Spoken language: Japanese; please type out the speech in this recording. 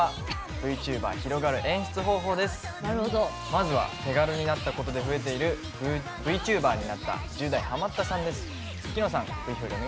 まずは、手軽になったことで増えている「ＶＴｕｂｅｒになった１０代ハマったさん」です。